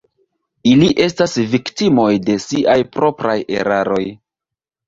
Ili estas viktimoj de siaj propraj eraroj.